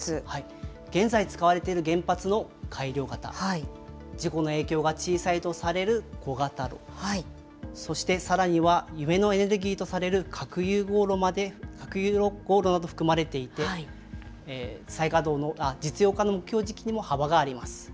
現在使われている原発の改良型、事故の影響が小さいとされる小型炉、そしてさらには、夢のエネルギーとされる核融合炉なども含まれていて、実用化の目標時期にも幅があります。